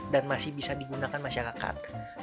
dan masih bisa digunakan masyarakatnya